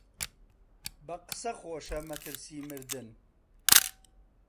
بە قسە خۆشە مەترسیی مردن